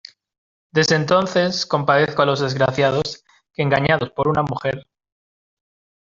desde entonces compadezco a los desgraciados que engañados por una mujer,